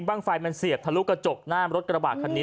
ไฟมันเสียบทะลุกระจกหน้ารถกระบาดคันนี้